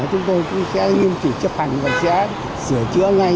chúng tôi cũng sẽ nghiêm trị chấp hành và sẽ sửa chữa ngay